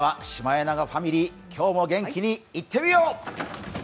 それではシマエナガファミリー、今日も元気にいってみよう！